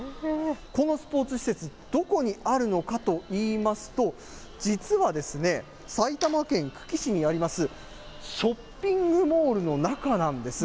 このスポーツ施設、どこにあるのかといいますと、実はですね、埼玉県久喜市にあります、ショッピングモールの中なんです。